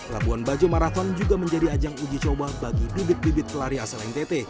labuan bajo marathon juga menjadi ajang uji coba bagi bibit bibit pelari asal ntt